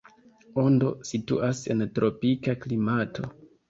Ondo situas en tropika klimato.